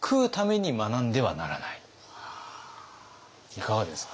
いかがですか？